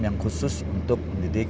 yang khusus untuk mendidik